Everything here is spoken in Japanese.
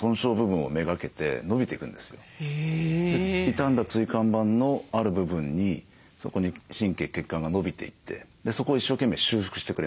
痛んだ椎間板のある部分にそこに神経血管が伸びていってそこを一生懸命修復してくれます。